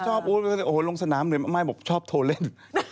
โอ๊ตโอ้โหลงสนามเลยไม่บอกชอบโทรเล่น